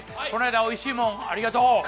この間おいしいもんありがとう！